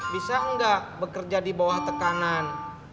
bisa enggak bekerja di bawah tekanan